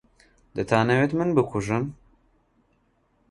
دەتانەوێت من بکوژن؟